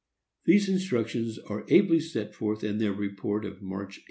These instructions are ably set forth in their report of March, 1853.